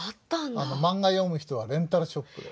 マンガ読む人はレンタルショップで。